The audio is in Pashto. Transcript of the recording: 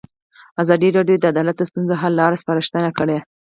ازادي راډیو د عدالت د ستونزو حل لارې سپارښتنې کړي.